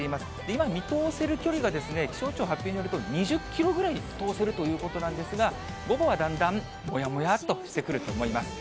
今、見通せる距離が気象庁の発表によると、２０キロぐらい見通せるということなんですが、午後はだんだんもやもやっとしてくると思います。